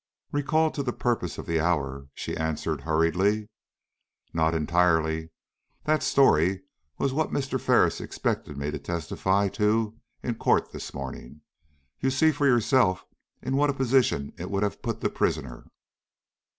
Recalled to the purpose of the hour, she answered, hurriedly: "Not entirely; that story was what Mr. Ferris expected me to testify to in court this morning. You see for yourself in what a position it would have put the prisoner."